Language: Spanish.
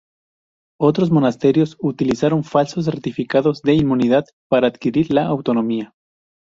Otros monasterios utilizaron falsos certificados de inmunidad para adquirir la autonomía.